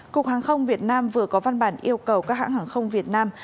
cục hàng không việt nam vừa có văn bản yêu cầu các hãng hàng không việt nam